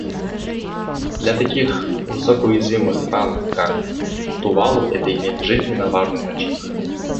Для таких высоко уязвимых стран, как Тувалу, это имеет жизненно важное значение.